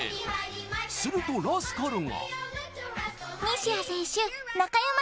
するとラスカルが。